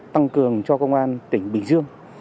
tăng cường cho công an tỉnh bình dương